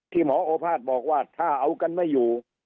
หมอโอภาษบอกว่าถ้าเอากันไม่อยู่